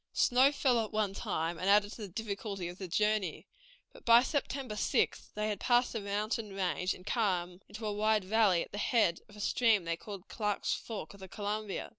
Snow fell at one time, and added to the difficulty of the journey, but by September 6th they had passed the mountain range, and had come into a wide valley, at the head of a stream they called Clark's Fork of the Columbia.